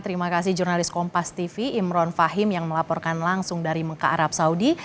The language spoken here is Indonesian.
terima kasih jurnalis kompas tv imron fahim yang melaporkan langsung dari mekah arab saudi